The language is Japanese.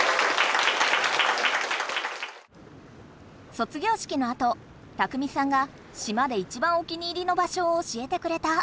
卒業式のあと拓海さんが島でいちばんお気に入りの場所を教えてくれた。